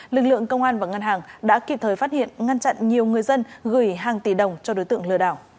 lực lượng công an và ngân hàng đã kịp thời phát hiện ngăn chặn nhiều người dân gửi hàng tỷ đồng cho đối tượng lừa đảo